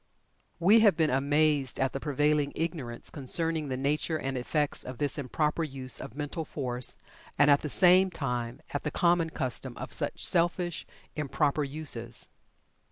We have been amazed at the prevailing ignorance concerning the nature and effects of this improper use of mental force, and at the same time, at the common custom of such selfish, improper uses.